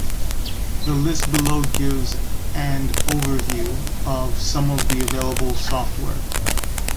The list below gives and overview of some of the available software.